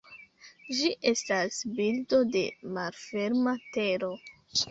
Ĝi estas birdo de malferma tero.